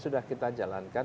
sudah kita jalankan